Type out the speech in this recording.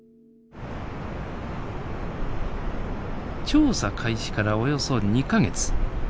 調査開始からおよそ２か月。